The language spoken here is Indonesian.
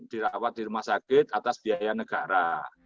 dirawat di rumah sakit atas biaya negara